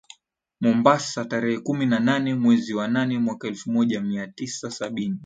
Mombasa tarehe kumi na nane mwezi wa nane mwaka elfu moja mia tisa sabini